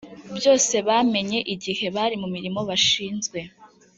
byose bamenye igihe bari mu mirimo bashinzwe